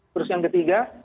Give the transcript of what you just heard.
terus yang ketiga